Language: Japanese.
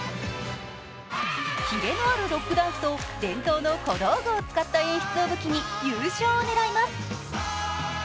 キレのあるロックダンスを伝統の小道具を武器に優勝を狙います。